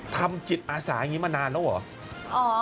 ทำจิตอาสาอย่างนี้มานานแล้วเหรอ